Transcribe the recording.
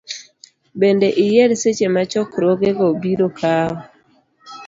Bende, iyier seche ma chokruogego biro kawo .